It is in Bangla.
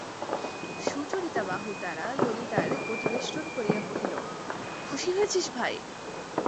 সুচরিতা বাহুর দ্বারা ললিতার কটি বেষ্টন করিয়া কহিল, খুশি হয়েছিস ভাই?